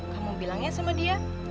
kamu bilangnya sama dia